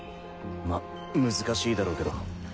ま難しいだろうけど。